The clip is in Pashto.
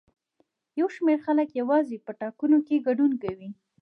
یو شمېر خلک یوازې په ټاکنو کې ګډون کوي.